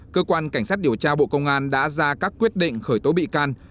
cơ quan cảnh sát điều tra bộ công an đã ra các quyết định khởi tố bị can